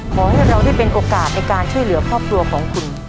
ขอให้เราได้เป็นโอกาสในการช่วยเหลือครอบครัวของคุณ